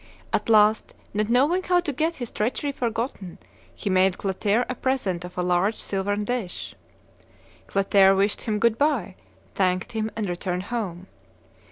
At last, not knowing how to get his treachery forgotten, he made Clotaire a present of a large silvern dish. Clotaire wished him good by, thanked him, and returned home.